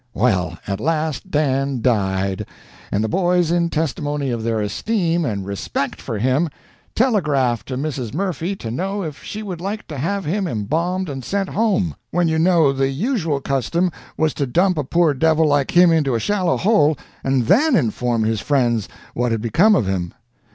Well, at last Dan died; and the boys, in testimony of their esteem and respect for him, telegraphed to Mrs. Murphy to know if she would like to have him embalmed and sent home; when you know the usual custom was to dump a poor devil like him into a shallow hole, and then inform his friends what had become of him.